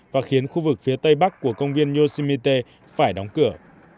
và khiến khu vực phía tây bắc của công viên yoshimite phải đóng cửa